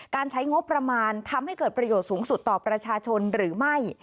ใช้งบประมาณทำให้เกิดประโยชน์สูงสุดต่อประชาชนหรือไม่